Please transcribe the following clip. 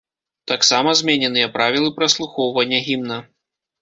Таксама змененыя правілы праслухоўвання гімна.